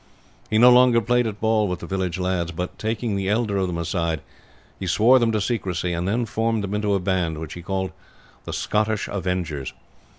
He no longer played at ball with the village lads; but, taking the elder of them aside, he swore them to secrecy, and then formed them into a band, which he called the Scottish Avengers.